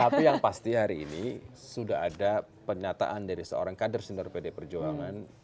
tapi yang pasti hari ini sudah ada penyataan dari seorang kader senior pd perjuangan